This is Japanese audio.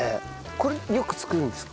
これよく作るんですか？